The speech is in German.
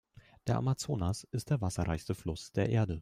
Der Amazonas ist der Wasserreichste Fluss der Erde.